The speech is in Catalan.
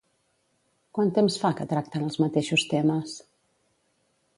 Quant temps fa que tracten els mateixos temes?